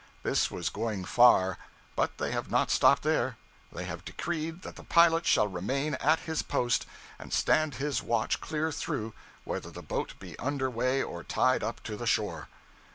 This was going far, but they have not stopped there. They have decreed that the pilot shall remain at his post, and stand his watch clear through, whether the boat be under way or tied up to the shore.